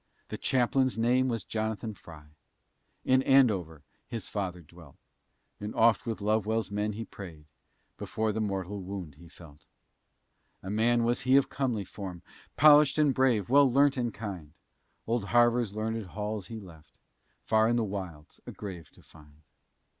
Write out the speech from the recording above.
The Chaplain's name was Jonathan Frye; In Andover his father dwelt, And oft with Lovewell's men he'd prayed, Before the mortal wound he felt. A man was he of comely form, Polished and brave, well learnt and kind; Old Harvard's learned halls he left, Far in the wilds a grave to find.